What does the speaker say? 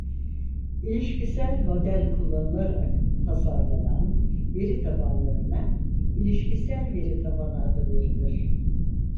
İlişkisel model kullanılarak tasarlanan veritabanlarına ilişkisel veritabanı adı verilir.